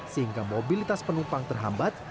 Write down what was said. sehingga mobilitas penumpang terhambat